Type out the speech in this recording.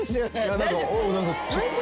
何かちょっと。